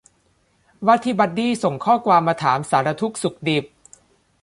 ว่าที่บัดดี้ส่งข้อความมาถามสารทุกข์สุขดิบ